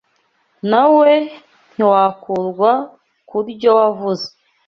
Na we ntiwakurwa ku ryo wavuze